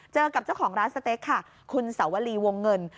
เจอกับเจ้าของร้านสเต็กค่ะคุณสวรีวงเงิน